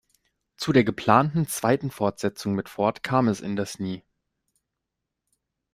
Zu der geplanten zweiten Fortsetzung mit Ford kam es indes nie.